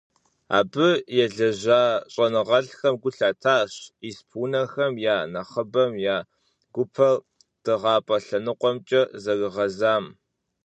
Абы елэжьа щIэныгъэлIхэм гу лъатащ испы унэхэм я нэхъыбэм я гупэр дыгъапIэ лъэныкъуэмкIэ зэрыгъэзам.